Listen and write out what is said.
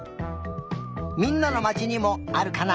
みんなのまちにもあるかな？